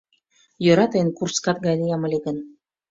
Йӧра тыйын курскат гай лиям ыле гын.